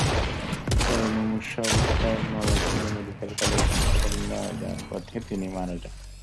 পরে মুমূর্ষু অবস্থায় Mymensingh medical college হাসপাতালে নেওয়ার পথে তিনি মারা যান।